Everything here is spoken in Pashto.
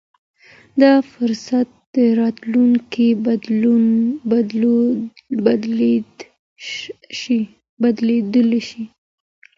دا فرصت راتلونکی بدلولای شي.